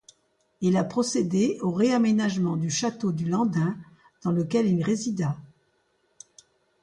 Il a procédé au réaménagement du château du Landin dans lequel il résida.